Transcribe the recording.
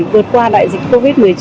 vượt qua đại dịch covid một mươi chín